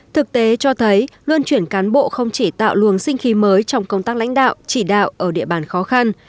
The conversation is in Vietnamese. thực tế cho thấy luân chuyển cán bộ không chỉ tạo luồng sinh khí mới trong công tác lãnh đạo chỉ đạo ở địa bàn khó khăn